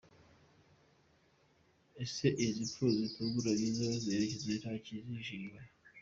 Ese izi mpfu zitunguranye zo kunyerera ntakizihishe inyuma?